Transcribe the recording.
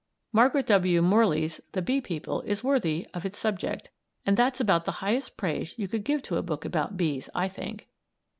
Margaret W. Morley's "The Bee People" is worthy of its subject, and that's about the highest praise you could give to a book about bees, I think.